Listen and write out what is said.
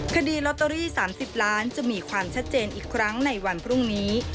คดีลอตเตอรี่๓๐ล้านจะมีความชัดเจนอีกครั้งในวันพรุ่งนี้